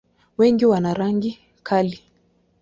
Wengi wana rangi kali.